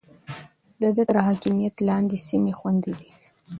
د ده تر حاکميت لاندې سيمې خوندي دي.